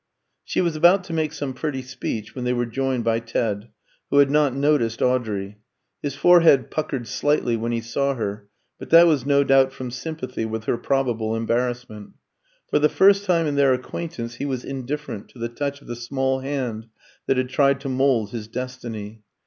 She was about to make some pretty speech when they were joined by Ted, who had not noticed Audrey. His forehead puckered slightly when he saw her, but that was no doubt from sympathy with her probable embarrassment. For the first time in their acquaintance he was indifferent to the touch of the small hand that had tried to mould his destiny.